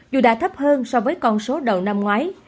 dù đã thấp hơn so với con số đầu năm ngoái